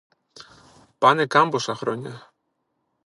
πάνε καμπόσα χρόνια,